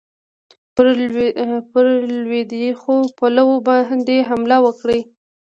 پر لوېدیخو پولو باندي حمله وکړي.